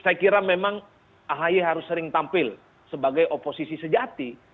saya kira memang ahi harus sering tampil sebagai oposisi sejati